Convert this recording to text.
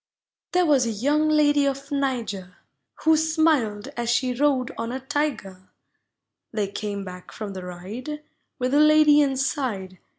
There was a young lady of Niger Who smiled as she rode on a Tiger; They came back from the ride With the lady inside.